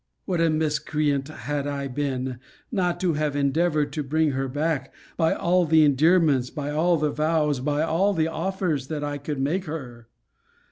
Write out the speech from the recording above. What a miscreant had I been, not to have endeavoured to bring her back, by all the endearments, by all the vows, by all the offers, that I could make her!